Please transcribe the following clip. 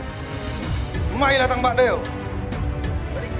đi ra thẳng bạn đời không